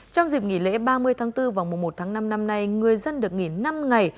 trong dịp nghỉ lễ ba mươi tháng bốn vào mùa một tháng năm năm nay người dân được nghỉ năm ngày